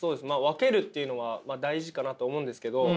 分けるっていうのは大事かなと思うんですけど。